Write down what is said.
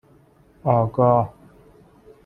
آگاه